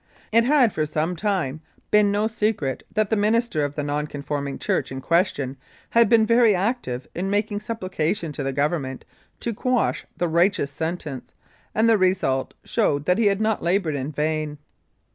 It had for some time been no secret that the minister of the nonconforming church in question had been very active in making supplication to the Government to quash the righteous sentence, and the result showed that he had not laboured in vain.